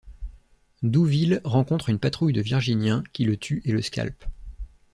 Douville rencontre une patrouille de Virginiens qui le tuent et le scalpent.